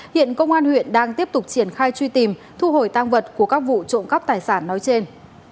hiện công an huyện đang tiếp tục triển khai truy tìm thu hồi tăng vật của các vụ trộm cắp tài sản nói trên